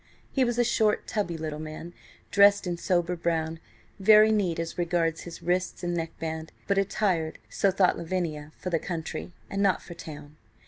He was a short, tubby little man, dressed in sober brown, very neat as regards his wrists and neckband, but attired, so thought Lavinia, for the country, and not for town.